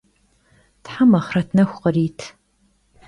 Them axhret nexu khırit!